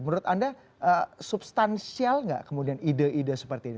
menurut anda substansial nggak kemudian ide ide seperti ini